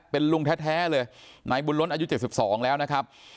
เป็นลุงแท้เลยนายบุญล้นอายุ๗๒แล้วนะครับ